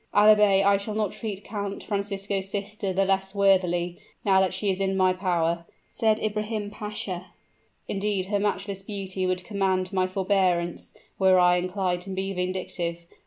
"Albeit I shall not treat Count Francisco's sister the less worthily, now that she is in my power," said Ibrahim Pasha; "indeed, her matchless beauty would command my forbearance, were I inclined to be vindictive.